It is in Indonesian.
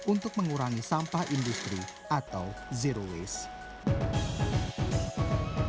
untuk mengurangi sampah industri atau zero waste